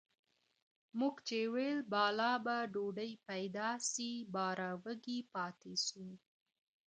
موږ چي ول بالا به ډوډۍ پيدا سي باره وږي پاته سوو